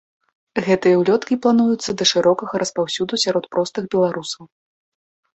Гэтыя ўлёткі плануюцца да шырокага распаўсюду сярод простых беларусаў.